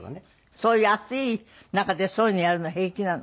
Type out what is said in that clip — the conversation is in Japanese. そういう暑い中でそういうのやるの平気なの？